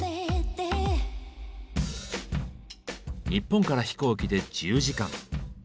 日本から飛行機で１０時間。